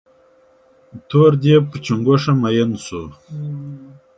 تور ديب پر چونگوښه مين سو.